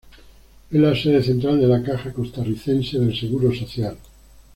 Es la sede central de la Caja Costarricense del Seguro Social.